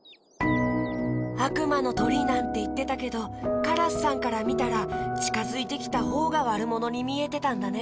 あくまのとりなんていってたけどカラスさんからみたらちかづいてきたほうがわるものにみえてたんだね。